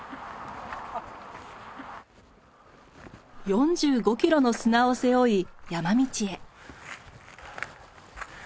４５キロの砂を背負い山道へ。